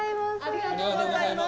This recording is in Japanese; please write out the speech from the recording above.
ありがとうございます。